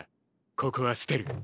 ここは捨てる。